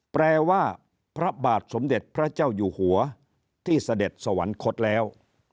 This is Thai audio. แปลว่าพระบาทสมเด็จพระเจ้าอยู่หัวที่เสด็จสวรรคตแล้ว